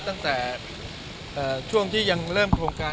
ตั้งแต่ช่วงที่ยังเริ่มโครงการ